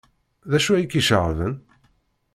D acu ay k-iceɣben?